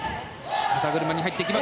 肩車に入っていく。